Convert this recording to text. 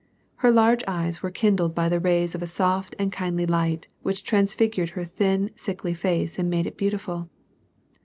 Her large eyes were kin dled by the rays of a soft and kindly light which transfigured her thin, sic^kly face and made it beautiful.